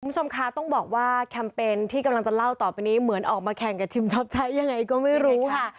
คุณผู้ชมคะต้องบอกว่าแคมเปญที่กำลังจะเล่าต่อไปนี้เหมือนออกมาแข่งกับชิมชอบใช้ยังไงก็ไม่รู้ค่ะ